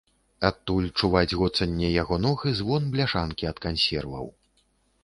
Адтуль чуваць гоцанне яго ног і звон бляшанкі ад кансерваў.